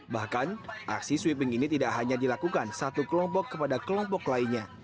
bahkan aksi sweeping ini tidak hanya dilakukan satu kelompok kepada kelompok lainnya